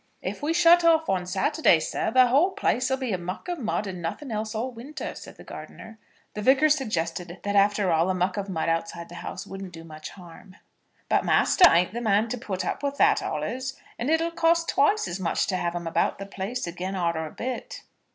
"If we shut off on Saturday, sir, the whole place'll be a muck of mud and nothin' else all winter," said the gardener. The Vicar suggested that after all a muck of mud outside the house wouldn't do much harm. "But master ain't the man to put up with that all'ays, and it'll cost twice as much to have 'em about the place again arter a bit."